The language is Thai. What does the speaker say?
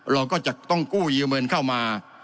เราก็จะต้องกู้ยืมเงินเข้ามา